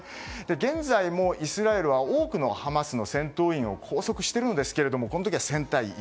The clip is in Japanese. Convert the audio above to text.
現在もイスラエルは多くのハマスの戦闘員を拘束しているんですけれどもこの時は１０００対１。